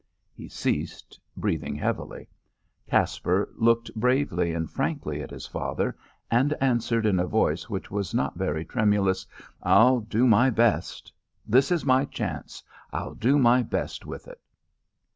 '" He ceased, breathing heavily. Caspar looked bravely and frankly at his father, and answered in a voice which was not very tremulous. "I'll do my best. This is my chance. I'll do my best with it."